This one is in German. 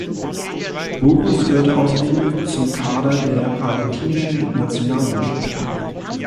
Burgos gehörte außerdem zum Kader der argentinischen Nationalmannschaft.